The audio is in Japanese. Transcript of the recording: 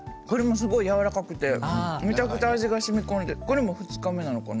すごいやわらかくてめちゃくちゃ味がしみこんでこれも２日目なのかな。